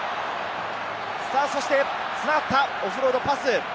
さぁそして繋がったオフロードパス。